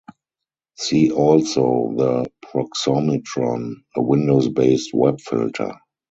See also the Proxomitron, a Windows-based web filter.